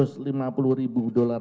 saudara madeoka mas agung